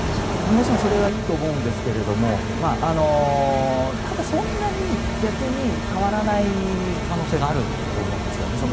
もちろんそれがいいと思うんですがただ、そんなに逆に変わらない可能性があると思うんですよね。